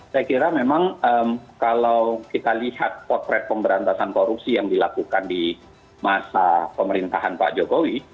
saya kira memang kalau kita lihat potret pemberantasan korupsi yang dilakukan di masa pemerintahan pak jokowi